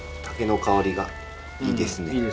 竹の香りがいいですね。